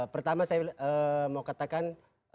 pertama saya mau katakan